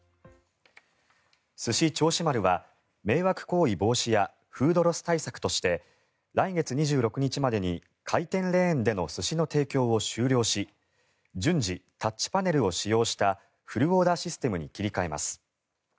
すし銚子丸は迷惑行為防止やフードロス対策として来月２６日までに回転レーンでの寿司の提供を終了し順次、タッチパネルを使用したフルオーダーシステムに切り替えます。